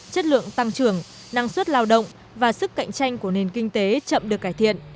chất lượng tăng trưởng năng suất lao động và sức cạnh tranh của nền kinh tế chậm được cải thiện